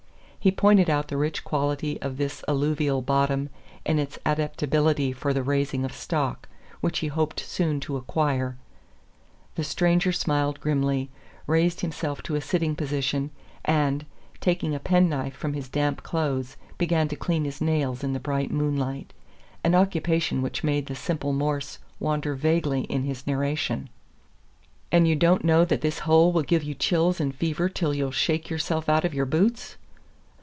He pointed out the rich quality of this alluvial bottom and its adaptability for the raising of stock, which he hoped soon to acquire. The stranger smiled grimly, raised himself to a sitting position, and, taking a penknife from his damp clothes, began to clean his nails in the bright moonlight an occupation which made the simple Morse wander vaguely in his narration. "And you don't know that this hole will give you chills and fever till you'll shake yourself out of your boots?"